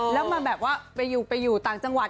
แล้วมาแบบว่าไปอยู่ต่างจังหวัด